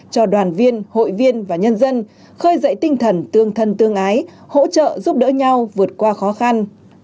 cho đoàn viên hội viên và nhân dân khơi dậy tinh thần tương thân tương ái hỗ trợ giúp đỡ nhau vượt qua khó khăn